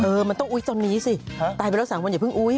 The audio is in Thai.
มันต้องอุ๊ยตอนนี้สิตายไปแล้ว๓วันอย่าเพิ่งอุ๊ย